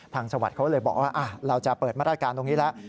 สวัสดิ์เขาเลยบอกว่าเราจะเปิดมาตรการตรงนี้แล้ว